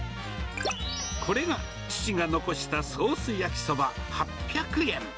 これが、父が遺したソースやきそば８００円。